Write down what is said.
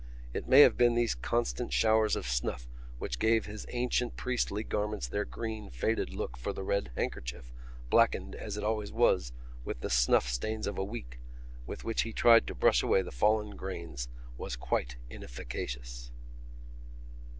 It may have been these constant showers of snuff which gave his ancient priestly garments their green faded look for the red handkerchief, blackened, as it always was, with the snuff stains of a week, with which he tried to brush away the fallen grains, was quite inefficacious.